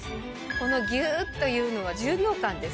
このぎゅっというのは１０秒間です。